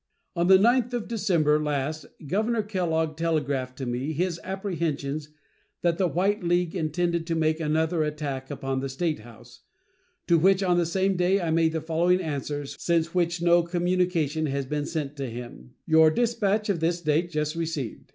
On the 9th of December last Governor Kellogg telegraphed to me his apprehensions that the White League intended to make another attack upon the statehouse, to which, on the same day, I made the following answer, since which no communication has been sent to him: Your dispatch of this date just received.